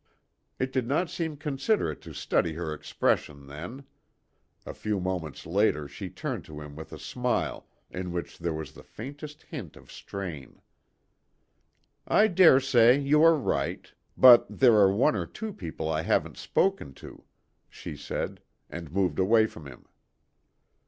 It did not seem considerate to study her expression then. A few moments later she turned to him with a smile in which there was the faintest hint of strain. "I daresay you are right; but there are one or two people I haven't spoken to," she said and moved away from him.